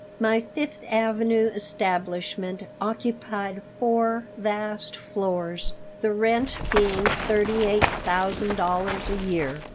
My Fifth Avenue establishment occupied four vast floors, the rent being thirty eight thousand dollars a year.